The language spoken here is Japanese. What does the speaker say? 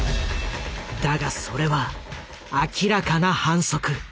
だがそれは明らかな反則。